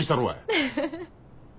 フフフフフ。